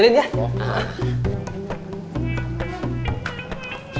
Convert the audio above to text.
udah ambilin ya